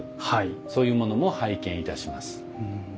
そういうものも拝見いたします。